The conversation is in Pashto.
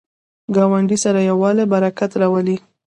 ګاونډي سره یووالی، برکت راولي